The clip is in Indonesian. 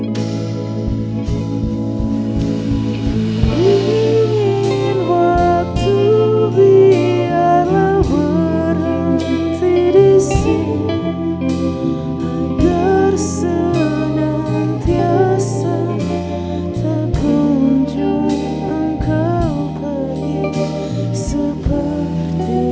ingin waktu biarlah berhenti disini agar senantiasa tak kunjung engkau pergi seperti